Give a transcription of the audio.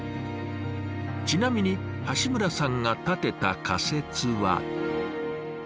ちなみに橋村さんが立てた仮説は。